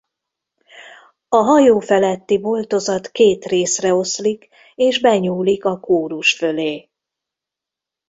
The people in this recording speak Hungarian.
A hajó feletti boltozat két részre oszlik és benyúlik a kórus fölé.